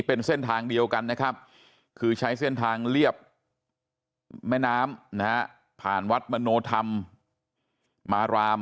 เป็นเส้นทางเดียวกันนะครับคือใช้เส้นทางเรียบแม่น้ำนะฮะ